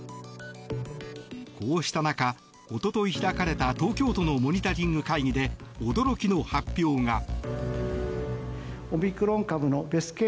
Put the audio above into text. こうした中、一昨日開かれた東京都のモニタリング会議で驚きの発表が。